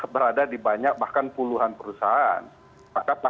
berada di banyak bahkan puluhan perusahaan